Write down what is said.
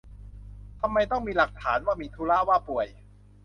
ทำไมต้องมีหลักฐานว่ามีธุระ ว่าป่วย